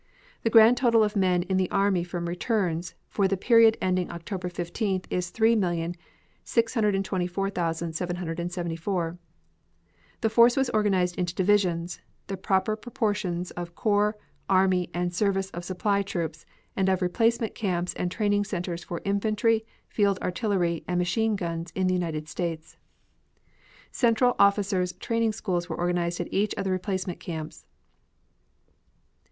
The grand total of men in the army from returns for the period ending October 15th is 3,624,774. This force was organized into divisions, the proper proportion of corps, army, and service of supply troops, and of replacement camps and training centers for Infantry, Field Artillery, and Machine Guns in the United States. Central officers' training schools were organized at each of the replacement camps.